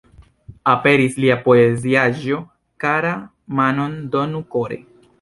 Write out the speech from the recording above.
Aperis lia poeziaĵo "Kara, manon donu kore!